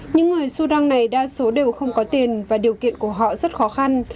những người sudan này đa số đều không có tiền và điều kiện của họ rất khó khăn